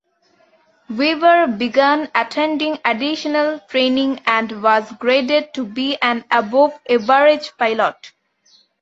Weaver began attending additional training and was graded to be an above average pilot.